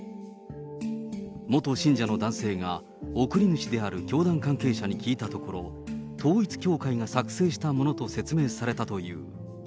元信者の男性が、送り主である教団関係者に聞いたところ、統一教会が作成したものと説明されたという。